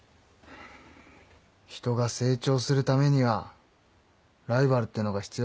人が成長するためにはライバルってのが必要だろ？